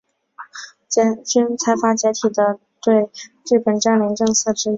财阀解体的对日本占领政策之一。